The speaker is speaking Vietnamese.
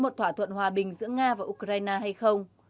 một thỏa thuận hòa bình giữa nga và ukraine hay không